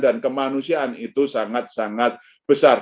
dan kemanusiaan itu sangat sangat besar